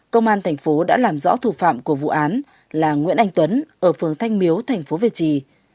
công an thành phố đã làm rõ thủ phạm của vụ án là nguyễn anh tuấn ở phường thanh miếu thành phố việt trì